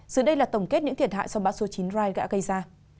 sự đây là tổng kết những thiệt hại sau bão số chín rai gã gây ra